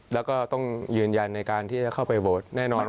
แล้วก็ต้องยืนยันในการที่จะเข้าไปโหวตแน่นอน